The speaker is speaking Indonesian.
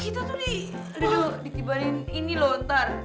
kita tuh ditiba tiba ini loh ntar